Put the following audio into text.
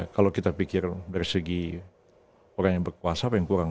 kalau kita pikir dari segi orang yang berkuasa apa yang kurang